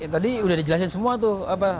tadi sudah dijelaskan semua tuh